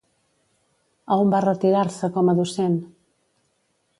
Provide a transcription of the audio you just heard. A on va retirar-se com a docent?